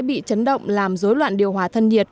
bị chấn động làm dối loạn điều hòa thân nhiệt